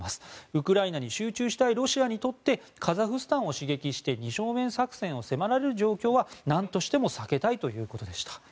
ウクライナに集中したいロシアにとってカザフスタンを刺激して二正面作戦を迫られる状況はなんとしても避けたいということでした。